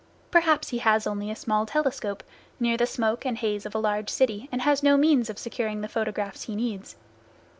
Perhaps he has only a small telescope, near the smoke and haze of a large city, and has no means of securing the photographs he needs.